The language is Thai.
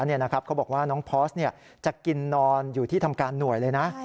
เขาบอกว่าน้องพอสจะกินนอนอยู่ที่ทำการหน่วยเลยนะ